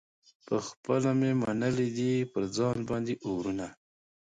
پخپله مي منلي دي پر ځان باندي اورونه